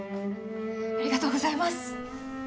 ありがとうございます！